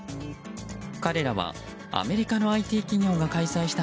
彼らはアメリカのＩＴ企業が開催した